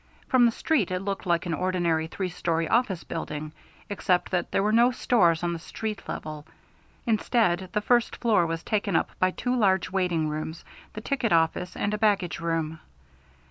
From the street, it looked like an ordinary three story office building, except that there were no stores on the street level. Instead, the first floor was taken up by two large waiting rooms, the ticket office, and a baggage room.